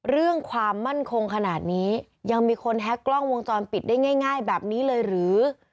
เรื่องความมั่นคงขนาดนี้ยังมีคนแฮ็กกล้องวงจรปิดได้ง่ายแบบนี้เลยหรือ